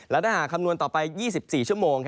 และถ้าหากคำนวณต่อไป๒๔ชั่วโมง